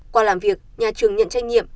qua làm việc nhà trường nhận trách nhiệm